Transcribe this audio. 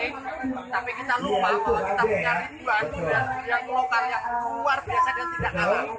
tapi kita lupa bahwa kita punya ribuan kuda yang lokal yang luar biasa dan tidak kalah